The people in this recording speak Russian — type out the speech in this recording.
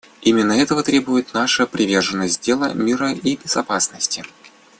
Именно этого требует наша приверженность делу мира и безопасности.